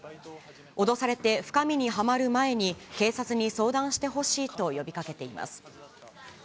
脅されて深みにはまる前に、警察に相談してほしいと呼びかけています。